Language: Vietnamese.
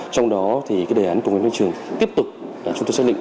trong đó thì đề án cùng em tới trường tiếp tục chúng tôi xác định